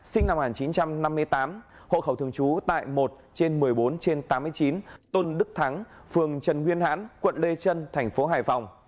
sinh năm một nghìn chín trăm năm mươi tám hộ khẩu thường trú tại một trên một mươi bốn trên tám mươi chín tôn đức thắng phường trần nguyên hãn quận lê trân thành phố hải phòng